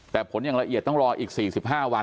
แต่ผลอย่างละเอียดต้องรออีก๔๕วัน